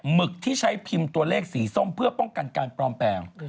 หึกที่ใช้พิมพ์ตัวเลขสีส้มเพื่อป้องกันการปลอมแปลง